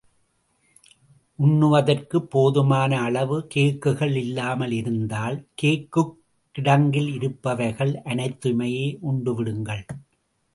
உண்ணுவதற்குப் போதுமான அளவு கேக்குகள் இல்லாமல் இருந்தால், கேக்குக் கிடங்கிலிருப்பவைகள் அனைத்தையுமே உண்டு விடுங்கள்.